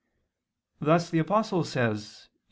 Thus the Apostle says (Heb.